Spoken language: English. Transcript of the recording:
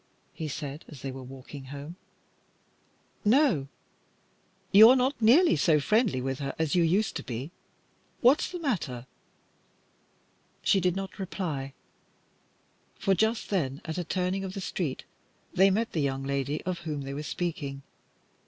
he said as they were walking home. "No." "You're not nearly so friendly with her as you used to be. What's the matter?" She did not reply, for just then at a turning of the street, they met the young lady of whom they were speaking.